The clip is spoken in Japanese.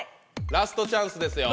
ラストチャンスですよ。